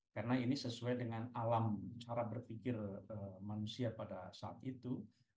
karena ini sesuai dengan alam cara berpikir manusia pada saat itu